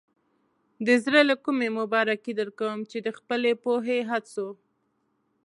د زړۀ له کومې مبارکي درکوم چې د خپلې پوهې، هڅو.